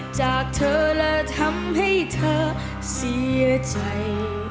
จากเธอและทำให้เธอเสียใจ